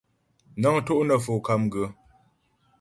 Nə́ŋ tó' nə Fo KAMGA.